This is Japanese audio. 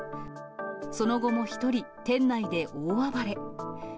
その後も一人、店内で大暴れ。